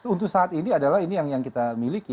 untuk saat ini adalah ini yang kita miliki